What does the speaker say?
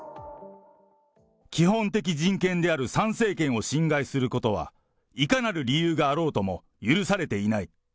基本的人権である参政権を侵害することは、いかなる理由があろうとも許されていない。